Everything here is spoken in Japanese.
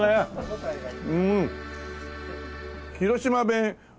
広島弁